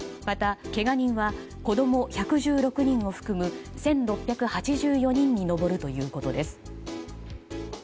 またけが人は子供１１６人を含む１６８４人に上るということです。